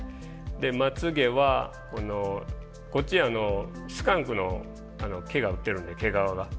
でまつげはこっちはスカンクの毛が売ってるんで毛皮が。